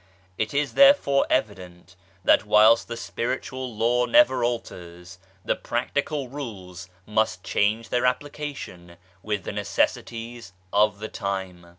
It is therefore evident that whilst the Spiritual Law never alters, the practical rules must change their application with the necessities of the time.